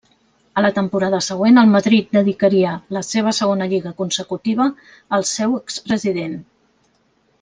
A la temporada següent el Madrid dedicaria la seva segona lliga consecutiva al seu expresident.